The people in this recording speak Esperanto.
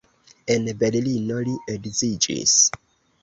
En Berlino li edziĝis.